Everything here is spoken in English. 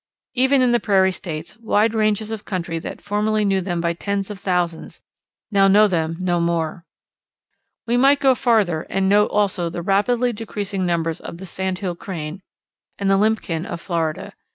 Even in the Prairie States wide ranges of country that formerly knew them by tens of thousands now know them no more. We might go farther and note also the rapidly decreasing numbers of the Sandhill Crane and the Limpkin of Florida.